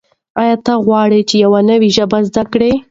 آیا ته غواړې چې یو نوی ژبه زده کړې؟